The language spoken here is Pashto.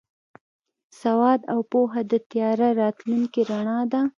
سواد او پوهه د تیاره راتلونکي رڼا ده.